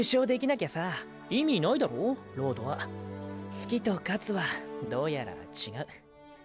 好きと勝つはどうやら違う。